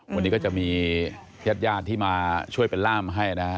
วันนี้ก็จะมีญาติญาติที่มาช่วยเป็นล่ามให้นะฮะ